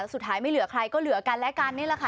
สุดท้ายไม่เหลือใครก็เหลือกันและกันนี่แหละค่ะ